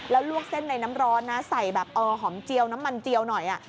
แล้วลวกเส้นในน้ำร้อนนะใส่แบบหอมเจียวน้ำมันเจียวหน่อย